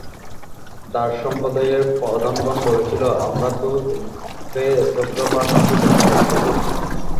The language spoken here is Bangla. তার সম্প্রদায়ের প্রধানগণ বলেছিল, আমরা তো তোমাকে স্পষ্ট ভ্রান্তিতে দেখতে পাচ্ছি।